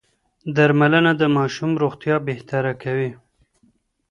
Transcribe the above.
درملنه د ماشوم روغتيا بهتره کوي.